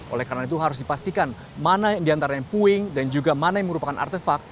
oleh karena itu harus dipastikan mana diantaranya puing dan juga mana yang merupakan artefak